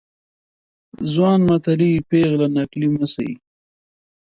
ځوان متلي ، پيغله نکلي مه سي.